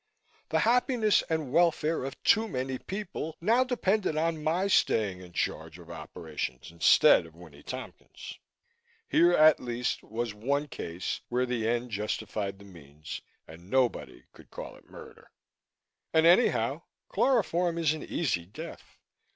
The happiness and welfare of too many people now depended on my staying in charge of operations instead of Winnie Tompkins. Here, at least, was one case where the end justified the means, and nobody could call it murder. And anyhow, chloroform is an easy death.